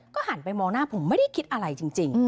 หันไปมองหน้าผมไม่ได้คิดอะไรจริง